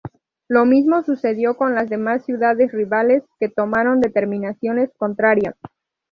Lo mismo sucedió con las demás ciudades rivales, que tomaron determinaciones contrarias.